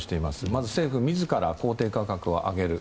まず、政府自ら公定価格を上げる。